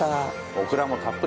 オクラもたっぷり！